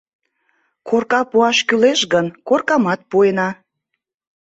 Корка пуаш кӱлеш гын, коркамат пуэна.